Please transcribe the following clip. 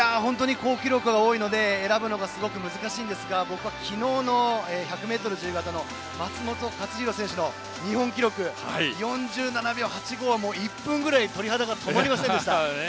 好記録が多いので選ぶのがすごく難しいんですが僕は昨日の１００ｍ自由形の松元克央選手の日本記録４７秒８５は１分ぐらい鳥肌が止まりませんでした。